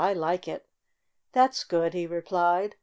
"I like it." "That's good," he replied.